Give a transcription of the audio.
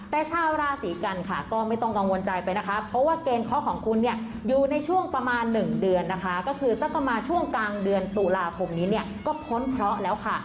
แต่ชาวราศีกันค่ะก็ไม่ต้องกังวลใจไปนะคะเพราะว่าเกณฑ์เคาะของคุณเนี่ยอยู่ในช่วงประมาณ๑เดือนนะคะก็คือสักประมาณช่วงกลางเดือนตุลาคมนี้เนี่ยก็พ้นเคราะห์แล้วค่ะ